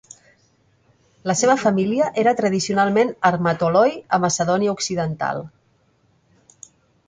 La seva família era tradicionalment Armatoloi a Macedònia Occidental.